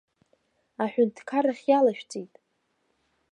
Аҳәынҭқаррахь иалашәҵеит.